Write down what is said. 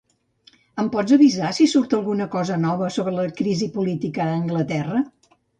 Em pots avisar si surt alguna cosa nova sobre la crisi política a Anglaterra?